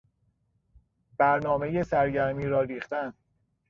برنامهی سرگرمی را ریختن